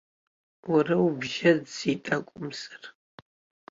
Уара убжьаӡӡеит акәымзар!